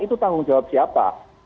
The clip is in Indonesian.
itu tanggung jawab siapa